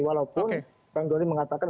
walaupun bang dori mengatakan